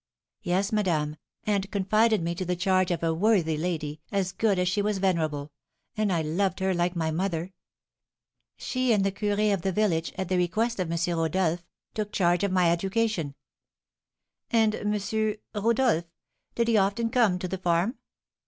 "Yes, madame, and confided me to the charge of a worthy lady, as good as she was venerable; and I loved her like my mother. She and the curé of the village, at the request of M. Rodolph, took charge of my education." "And M. Rodolph, did he often come to the farm?"